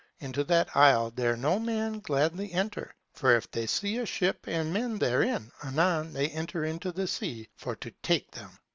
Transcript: Into that isle dare no man gladly enter. And if they see a ship and men therein, anon they enter into the sea for to take them.